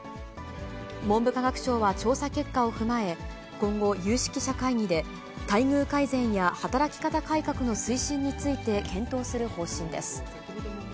文部科学省は調査結果を踏まえ、今後、有識者会議で、待遇改善や働き方改革の推進について、検討する方針です。